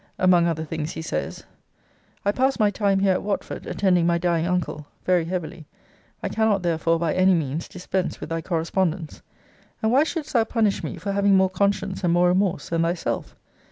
Among other things, he says ] I pass my time here at Watford, attending my dying uncle, very heavily. I cannot therefore, by any means, dispense with thy correspondence. And why shouldst thou punish me, for having more conscience and more remorse than thyself?